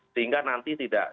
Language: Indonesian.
sehingga nanti tidak